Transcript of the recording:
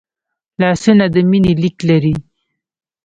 لاسونه د مینې لیک لري